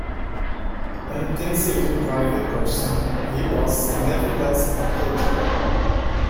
An intensely private person, he was nevertheless approachable.